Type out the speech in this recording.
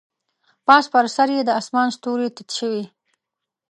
پاس پر سر یې د اسمان ستوري تت شوي